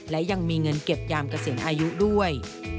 และยังมีเงินเก็บยามเกษียณอายุด้วย